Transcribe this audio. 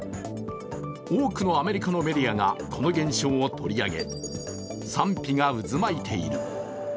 多くのアメリカのメディアが、この現象を取り上げ賛否が渦巻いている。